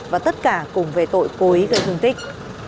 và tất cả cùng về tội cố ý gây thương tích